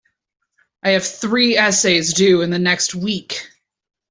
I have three essays due in the next week.